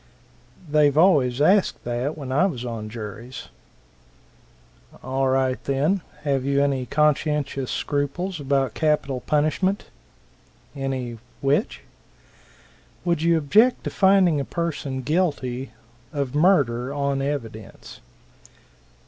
"They've always asked that, when I was on juries." "All right, then. Have you any conscientious scruples about capital punishment?" "Any which?" "Would you object to finding a person guilty of murder on evidence?"